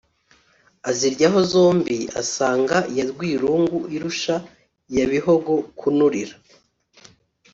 Aziryaho zombi asanga iya Rwirungu irusha iya Bihogo kunurira